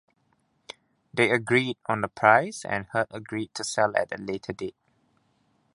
They agreed on a price and Hurd agreed to sell at a later date.